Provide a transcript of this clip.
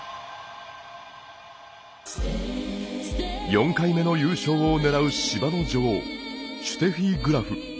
４回目の優勝を狙う芝の女王シュテフィ・グラフ。